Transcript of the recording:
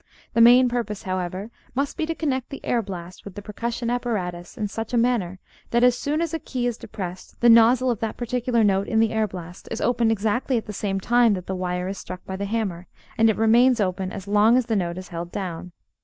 The main purpose, however, must be to connect the air blast with the percussion apparatus in such a manner that, as soon as a key is depressed, the nozzle of that particular note in the air blast is opened exactly at the same time that the wire is struck by the hammer, and it remains open as long as the note is held down.